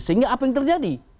sehingga apa yang terjadi